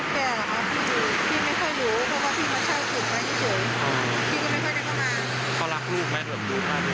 พี่ไม่ค่อยรู้เพราะว่าพี่มาเช่าขึ้นมาเท่าไหร่